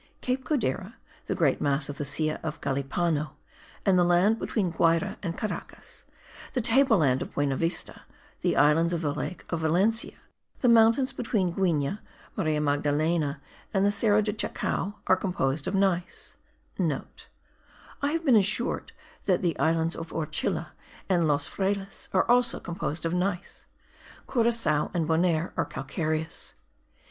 Cape Codera, the great mass of the Silla of Galipano, and the land between Guayra and Caracas, the table land of Buenavista, the islands of the lake of Valencia, the mountains between Guigne, Maria Magdalena and the Cerro do Chacao are composed of gneiss;* (* I have been assured that the islands Orchila and Los Frailes are also composed of gneiss; Curacao and Bonaire are calcareous.